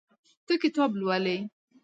ته کتاب لولې.